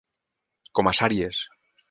Com a sàries.